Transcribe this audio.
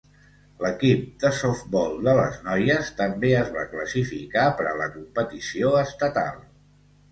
L'equip de softbol de les noies també es va classificar per a la competició estatal.